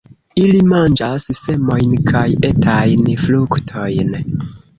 Ili manĝas semojn kaj etajn fruktojn.